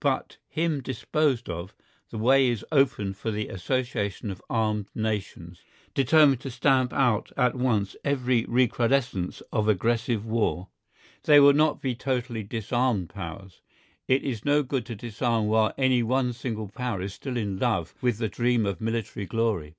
But him disposed of, the way is open for the association of armed nations, determined to stamp out at once every recrudescence of aggressive war. They will not be totally disarmed Powers. It is no good to disarm while any one single Power is still in love with the dream of military glory.